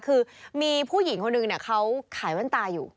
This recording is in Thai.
คือมีผู้หญิงคนหนึ่งเขาขายแว่นตาอยู่